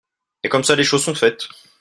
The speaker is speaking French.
Et comme ça les choses sont faites.